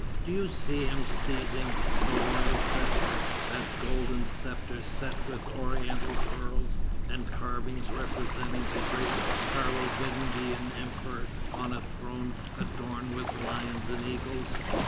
Do you see him seizing the royal sceptre, that golden sceptre set with oriental pearls, and carvings representing the great Carlovingian Emperor on a throne adorned with lions and eagles?